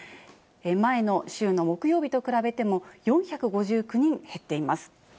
前の週の木曜日と比べても、４５９人減っています。